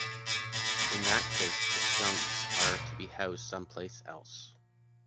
In that case the skunks are to be housed someplace else.